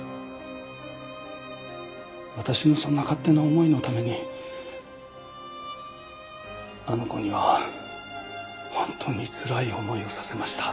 私のそんな勝手な思いのためにあの子には本当につらい思いをさせました。